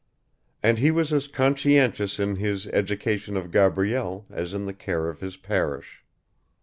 And he was as conscientious in his education of Gabrielle as in the care of his parish.